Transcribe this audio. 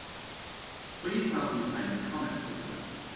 Please help me find the Comet photograph.